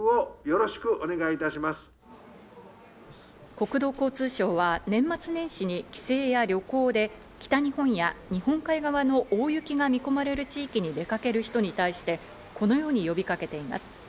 国土交通省は年末年始に帰省や旅行で北日本や日本海側の大雪が見込まれる地域に出かける人に対してこのように呼びかけています。